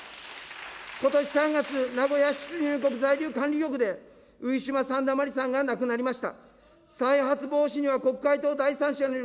ことし３月、名古屋出入国在留管理局でウィシュマ・サンダマリさんが亡くなりました。